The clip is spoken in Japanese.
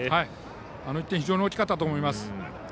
あの１点非常に大きかったと思います。